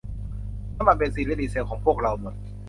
น้ำมันเบนซินและดีเซลของพวกเราหมด